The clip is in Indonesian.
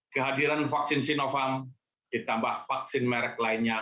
kehadiran vaksin sinovac ditambah vaksin merk